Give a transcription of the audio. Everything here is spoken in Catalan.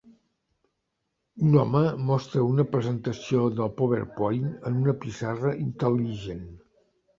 Un home mostra una presentació del PowerPoint en una pissarra intel·ligent.